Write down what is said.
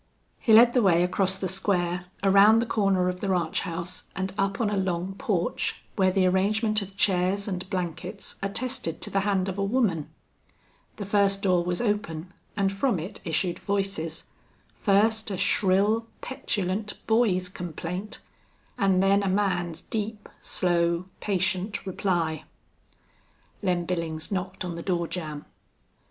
He led the way across the square, around the corner of the ranch house, and up on a long porch, where the arrangement of chairs and blankets attested to the hand of a woman. The first door was open, and from it issued voices; first a shrill, petulant boy's complaint, and then a man's deep, slow, patient reply. Lem Billings knocked on the door jamb.